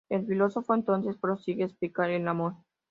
El filósofo entonces prosigue a explicar el amor.